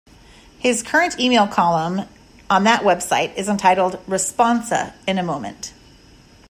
His current email column on that website is entitled "Responsa in a Moment".